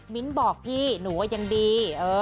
มิ้นท์บอกพี่หนูว่ายังดี